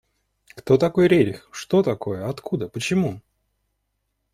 Кто такой Рерих, что такое, откуда, почему?